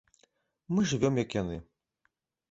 Мы жывём як яны.